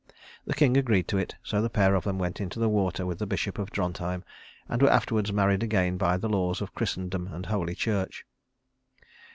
The king agreed to it; so the pair of them went into the water with the Bishop of Drontheim, and were afterwards married again by the laws of Christendom and Holy Church.